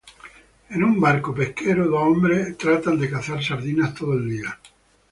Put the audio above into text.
En un barco Pesquero, dos hombres han tratado de cazar sardinas todo el día.